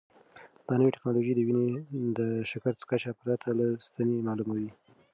دا نوې ټیکنالوژي د وینې د شکر کچه پرته له ستنې معلوموي.